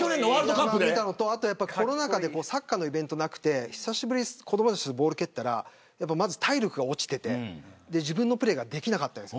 それとコロナ禍でサッカーのイベントがなくて久しぶりに子どもたちとボールを蹴ったらまず体力が落ちていて自分のプレーができなかった。